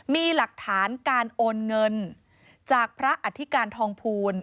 มีหลักฐานการโอนเงินจากพระอธิการทองภูล